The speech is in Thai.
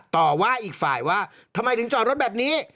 ต่อว่าอีกฝ่ายว่าทำไมถึงจอดรถแบบนี้